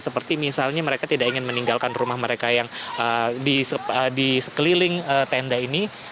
seperti misalnya mereka tidak ingin meninggalkan rumah mereka yang di sekeliling tenda ini